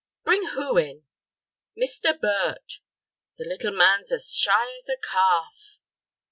"Bring who in?" "Mr. Burt." "The little man's as shy as a calf."